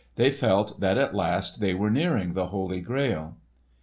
They felt that at last they were nearing the Holy Grail!